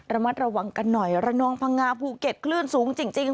ระมัดระวังกันหน่อยระนองพังงาภูเก็ตคลื่นสูงจริง